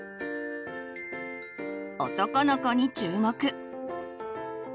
男の子に注目。